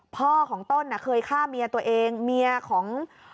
พ่อของต้นเคยฆ่าเมียตัวเองเมียของ